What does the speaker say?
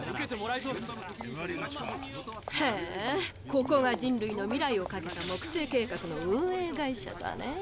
ここが人類の未来をかけた木星計画の運営会社とはねぇ。